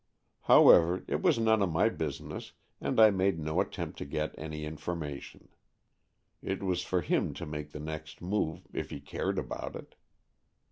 However, it was none of my business, and I made no aUempt to get any information. It was for him to make the next move, if he cared about it.